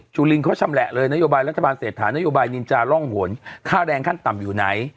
ลินเขาชำแหละเลยนโยบายรัฐบาลเศรษฐานโยบายนินจาร่องหนค่าแรงขั้นต่ำอยู่ไหน